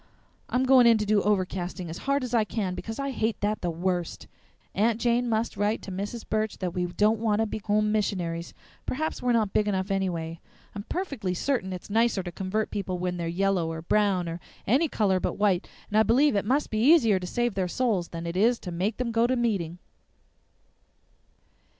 I'm going in to do overcasting as hard as I can, because I hate that the worst. Aunt Jane must write to Mrs. Burch that we don't want to be home missionaries. Perhaps we're not big enough, anyway. I'm perfectly certain it's nicer to convert people when they're yellow or brown or any color but white; and I believe it must be easier to save their souls than it is to make them go to meeting."